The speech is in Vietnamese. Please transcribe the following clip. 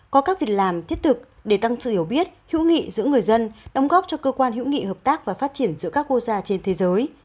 có các việc làm thiết thực để tăng sự hiểu biết hữu nghị giữa người dân đóng góp cho cơ quan hữu nghị hợp tác và phát triển giữa các quốc gia trên thế giới